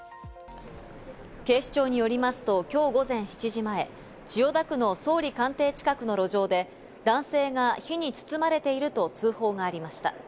警視庁によりますと、今日午前７時前、千代田区の総理官邸近くの路上で、男性が火につつまれていると通報がありました。